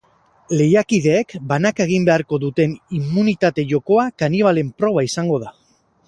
Lehiakideek banaka egin beharko duten immunitate jokoa kanibalen proba izango da.